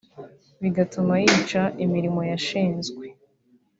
bigatuma yica imirimo yashinzwe